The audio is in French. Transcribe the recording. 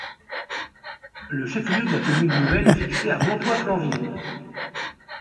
Le chef-lieu de la commune nouvelle est fixé à Montoy-Flanville.